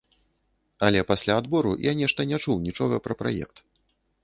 Але пасля адбору я нешта не чуў нічога пра праект.